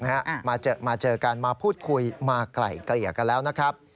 ที่ถีบหน้าอกมาเจอกันมาพูดคุยมาไกล่เกลี่ยกันแล้วนะครับ